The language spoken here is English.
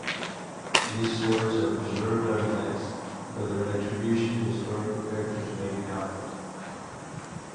These swords are preserved artifacts, though their attribution to historical characters may be doubtful.